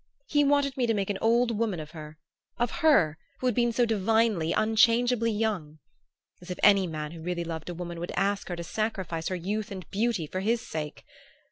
He wanted me to make an old woman of her of her who had been so divinely, unchangeably young! As if any man who really loved a woman would ask her to sacrifice her youth and beauty for his sake!